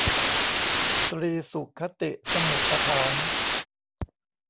ตรีสุคติสมุฏฐาน